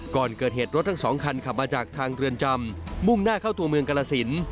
ก่อนเกิดเหตุรถทั้งสองคันขับมาจากทางเรือนจำมุ่งหน้าเข้าตัวเมืองกรสิน